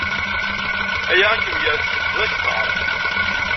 Aya ad kem-yerr tǧehdeḍ akter.